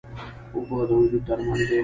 اوبه د وجود درمل دي.